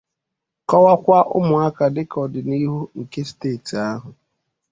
kọwakwa ụmụaka dịka ọdịnihu nke steeti ahụ.